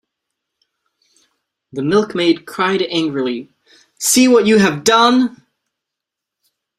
The milk-maid cried angrily; "see what you have done!"